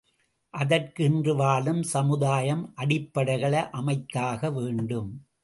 அதற்கு இன்று வாழும் சமுதாயம் அடிப்படைகளை அமைத்தாக வேண்டும்.